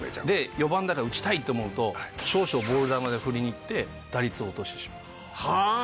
で、４番だから打ちたいと思っちゃうと、少々ボール球でも振りにいって、打率を落としてしまう。